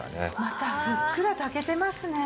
またふっくら炊けてますね。